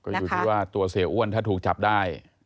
ก็อยู่ที่ว่าตัวเสียอ้วนถ้าถูกจับได้